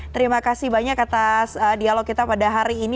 terima kasih banyak atas dialog kita pada hari ini